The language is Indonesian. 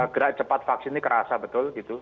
gerak cepat vaksin ini kerasa betul gitu